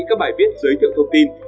các bài viết giới thiệu thông tin